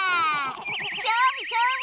しょうぶしょうぶ。